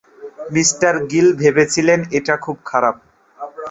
Me. Gill ভেবেছিলেন এটা খুব খারাপ।